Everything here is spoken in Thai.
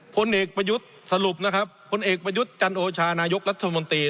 ผลเอกประยุทธ์สรุปนะครับผลเอกประยุทธ์จันโอชานายกรัฐมนตรี